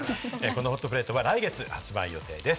このホットプレートは来月発売予定です。